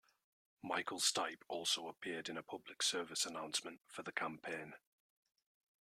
Michael Stipe also appeared in a public service announcement for the campaign.